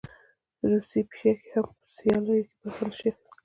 روسۍ پیشکې هم په سیالیو کې برخه نه شي اخیستلی.